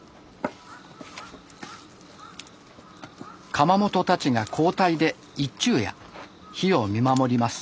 窯元たちが交代で一昼夜火を見守ります。